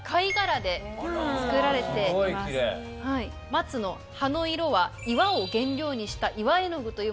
松の葉の色は岩を原料にした。